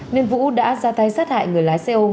nên vũ đã ra tay sát hại người lái xe